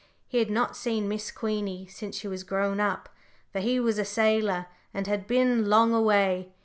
He had not seen Miss Queenie since she was grown up, for he was a sailor, and had been long away.